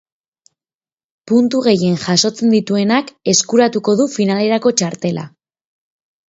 Puntu gehien jasotzen dituenak eskuratuko du finalerako txartela.